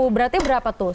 berarti berapa tuh